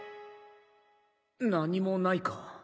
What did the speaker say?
何もないか。